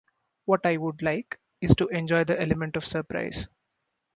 What I would like, is to enjoy the element of surprise.